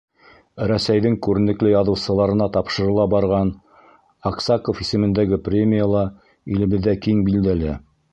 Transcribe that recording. Рәсәйҙең күренекле яҙыусыларына тапшырыла барған Аксаков исемендәге премия ла илебеҙҙә киң билдәле.